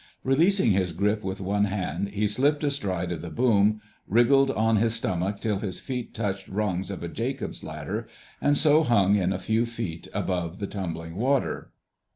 Releasing his grip with one hand he slipped astride of the boom, wriggled on his stomach till his feet touched rungs of a Jacob's ladder, and so hung in a few feet above the tumbling water.